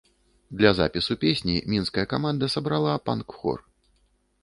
Для запісу песні мінская каманда сабрала панк-хор.